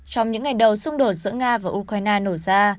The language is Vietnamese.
trong những ngày đầu xung đột giữa nga và ukraine nổ ra